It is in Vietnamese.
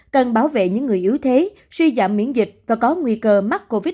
cần bảo vệ những người yếu thế suy giảm miễn dịch và có nguy cơ mắc covid một mươi chín